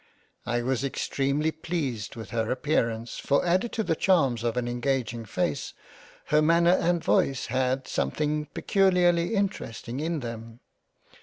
I was extremely pleased with her appear ance, for added to the charms of an engaging face, her manner and voice had something peculiarly interesting in them.